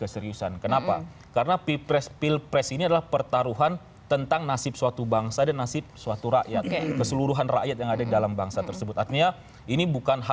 terima kasih terima kasih terima kasih